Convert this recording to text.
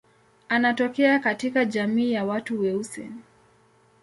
Anatokea katika jamii ya watu weusi.